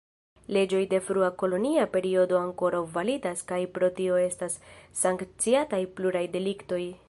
Leĝoj de frua kolonia periodo ankoraŭ validas kaj pro tio estas sankciataj pluraj deliktoj.